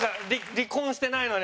離婚してないのに。